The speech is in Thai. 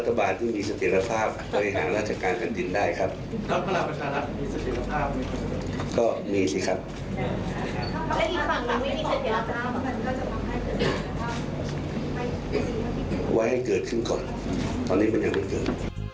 ให้เกิดขึ้นก่อนตอนนี้มันยังไม่เกิด